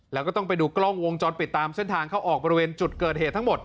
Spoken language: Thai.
แล้วก็ต้องไปดูกล้องวงจรปิดตามเส้นทางเข้าออกบริเวณจุดเกิดเหตุทั้งหมด